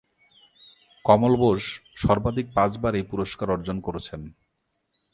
কমল বোস সর্বাধিক পাঁচবার এই পুরস্কার অর্জন করেছেন।